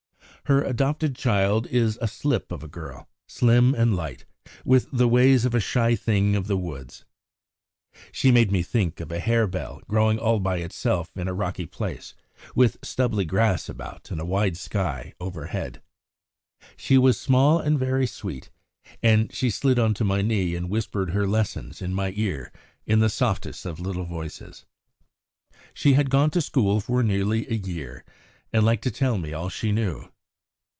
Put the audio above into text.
Her adopted child is a slip of a girl, slim and light, with the ways of a shy thing of the woods. She made me think of a harebell growing all by itself in a rocky place, with stubbly grass about and a wide sky overhead. She was small and very sweet, and she slid on to my knee and whispered her lessons in my ear in the softest of little voices. She had gone to school for nearly a year, and liked to tell me all she knew.